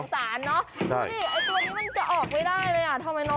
มนุษย์บอกแม่รักลูกเท่ากัน